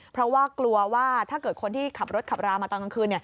เพราะว่ากลัวว่าถ้าเกิดคนที่ขับรถขับรามาตอนกลางคืน